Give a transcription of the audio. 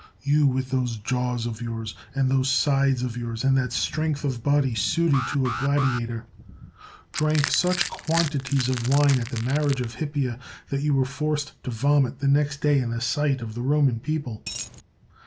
You, with those jaws of yours, and those sides of yours, and that strength of body suited to a gladiator, drank such quantities of wine at the marriage of Hippia, that you were forced to vomit the next day in the sight of the Roman people.